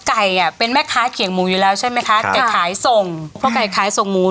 ไก่อ่ะเป็นแม่ค้าเขียงหมูอยู่แล้วใช่ไหมคะไก่ขายส่งเพราะไก่ขายส่งหมู